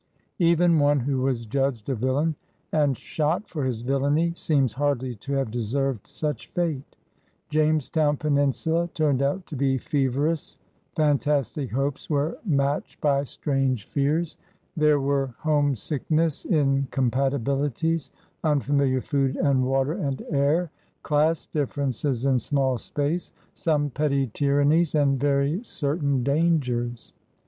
Even one who was judged a villain and shot for his viUainy seems hardly to have deserved such fate. Jamestown peninsula turned out to be feverous; fantastic hopes were matched by strange fears; there were homesick ness, incompatibilities, unfamiHar food and water and air, class differences in small space, some petty tyrannies, and very certain dangers.